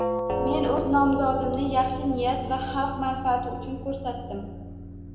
Men o'z nomzodimni yaxshi niyat va xalq manfaati uchun ko'rsatdim